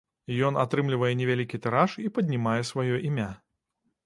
Ён атрымлівае невялікі тыраж і паднімае сваё імя.